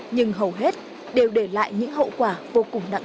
nhưng hầu hết đều để lại những hậu quả vô cùng nặng nề